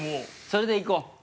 それでいこう。